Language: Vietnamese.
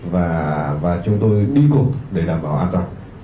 và chúng tôi đi cùng để đảm bảo an toàn